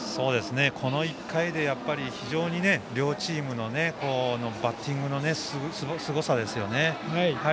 この１回で、非常に両チームのバッティングのすごさですよね。